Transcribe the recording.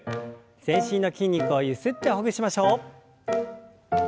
全身の筋肉をゆすってほぐしましょう。